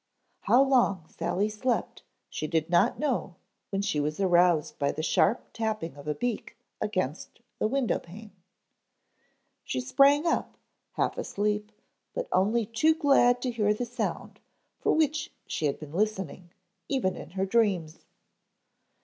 _ HOW long Sally slept she did not know when she was aroused by the sharp tapping of a beak against the window pane. She sprang up, half asleep, but only too glad to hear the sound for which she had been listening even in her dreams.